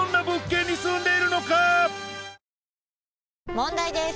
問題です！